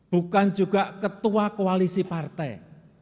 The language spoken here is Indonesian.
bukan juga ketua koalisi partai